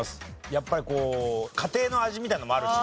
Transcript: やっぱりこう家庭の味みたいなのもあるし。